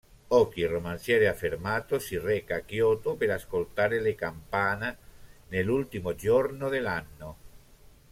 Oki, romanziere affermato, si reca a Kyoto per ascoltare le campane nell'ultimo giorno dell'anno.